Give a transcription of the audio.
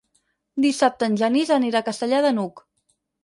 Dissabte en Genís anirà a Castellar de n'Hug.